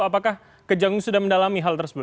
apakah kejanggung sudah mendalami hal tersebut